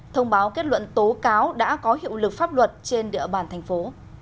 thông báo kết luận tố cáo đã có hiệu lực pháp luật trên địa bàn thành phố